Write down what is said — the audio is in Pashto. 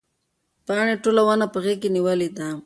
پاڼې ټوله ونه په غېږ کې نیولې ده.